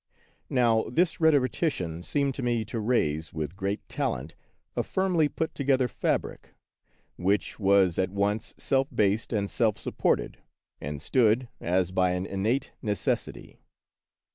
Now this rhet orician seemed to me to raise, with great talent, a firmly put together fabric, which was at once self based and self supported, and stood as by an innate necessity.